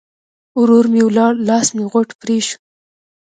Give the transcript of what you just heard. ورور م ولاړ؛ لاس مې غوټ پرې شو.